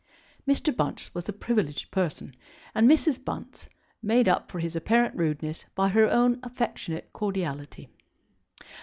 Mr. Bunce was a privileged person, and Mrs. Bunce made up for his apparent rudeness by her own affectionate cordiality.